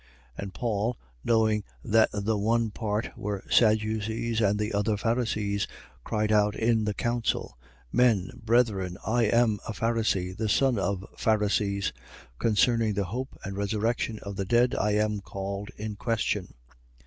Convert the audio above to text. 23:6. And Paul, knowing that the one part were Sadducees and the other Pharisees, cried out in the council: Men, brethren, I am a Pharisee, the son of Pharisees: concerning the hope and resurrection of the dead I am called in question.